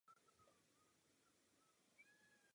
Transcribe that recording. Po absolutoriu se specializoval v oboru psychiatrie.